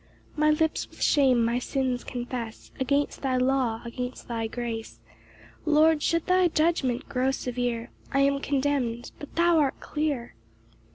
4 My lips with shame my sins confess Against thy law, against thy grace: Lord, should thy judgment grow severe, I am condemn'd, but thou art clear.